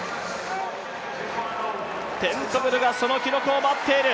テントグルがその記録を待っている。